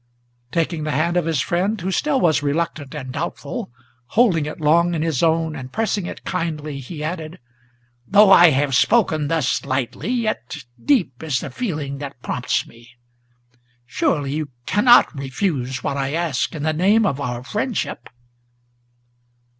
Taking the hand of his friend, who still was reluctant and doubtful, Holding it long in his own, and pressing it kindly, he added: "Though I have spoken thus lightly, yet deep is the feeling that prompts me; Surely you cannot refuse what I ask in the name of our friendship!"